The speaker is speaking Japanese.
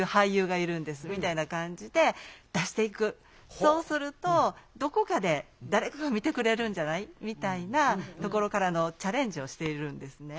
そうするとどこかで誰かが見てくれるんじゃないみたいなところからのチャレンジをしているんですね。